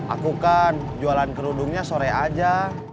aku kan jualan kerudungnya sore aja